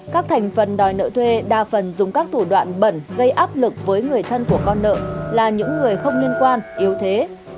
các thành phần đòi nợ thuê đa phần dùng các thủ đoạn bẩn gây áp lực với người thân của con nợ là những người không liên quan yếu thế